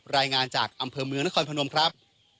รายงานจากอำเภอเมืองนครพนมครับ